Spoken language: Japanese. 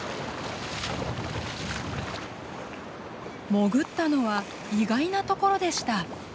潜ったのは意外なところでした。